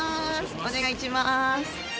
お願いいたします。